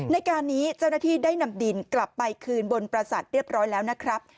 ในการนี้เจ้าหน้าที่ได้นำดินกลับไปคืนบนประสาทเรียบร้อยแล้วนะครับ